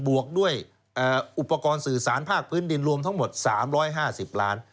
วกด้วยอุปกรณ์สื่อสารภาคพื้นดินรวมทั้งหมด๓๕๐ล้าน